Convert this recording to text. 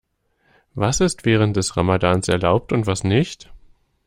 Was ist während des Ramadans erlaubt und was nicht?